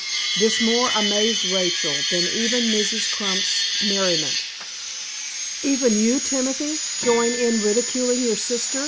This more amazed Rachel than even Mrs. Crump's merriment. "Even you, Timothy, join in ridiculing your sister!"